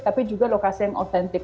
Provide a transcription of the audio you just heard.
tapi juga lokasi yang otentik